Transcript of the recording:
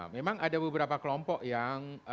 memang ada beberapa kelompok yang